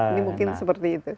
ini mungkin seperti itu